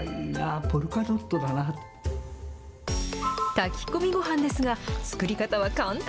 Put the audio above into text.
炊き込みごはんですが、作り方は簡単。